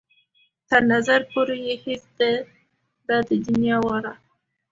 تر نظر پورې يې هېڅ ده د دنيا واړه.